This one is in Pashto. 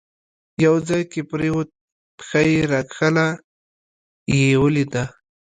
یو ځای کې پرېوت، پښه یې راکښله، یې ولیده.